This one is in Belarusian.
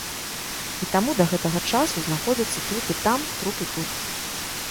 І таму да гэтага часу знаходзяцца трупы там, трупы тут.